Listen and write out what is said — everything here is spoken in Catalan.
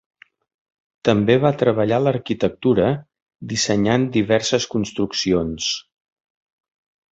També va treballar l'arquitectura, dissenyant diverses construccions.